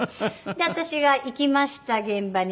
で私が行きました現場に。